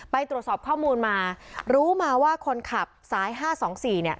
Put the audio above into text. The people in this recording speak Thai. ไปตรวจสอบข้อมูลมารู้มาว่าคนขับสายห้าสองสี่เนี่ย